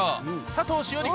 佐藤栞里